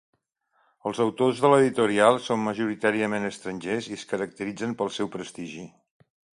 Els autors de l'editorial són majoritàriament estrangers i es caracteritzen pel seu prestigi.